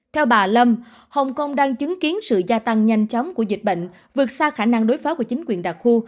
theo bà lâm hồng kông đang chứng kiến sự gia tăng nhanh chóng của dịch bệnh vượt xa khả năng đối phó của chính quyền đặc khu